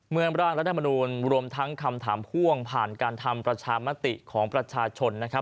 ร่างรัฐมนูลรวมทั้งคำถามพ่วงผ่านการทำประชามติของประชาชนนะครับ